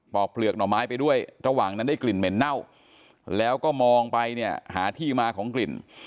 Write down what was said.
อกเปลือกหน่อไม้ไปด้วยระหว่างนั้นได้กลิ่นเหม็นเน่าแล้วก็มองไปเนี่ยหาที่มาของกลิ่น